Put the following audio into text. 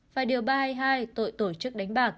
tại điều ba trăm hai mươi hai tội tổ chức đánh bạc